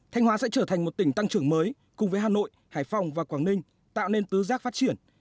thanh hóa sẽ trở thành một tỉnh tăng trưởng mới cùng với hà nội hải phòng và quảng ninh tạo nên tứ giác phát triển